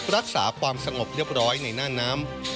รักษาความสงบเรียบร้อยในหน้าน้ำ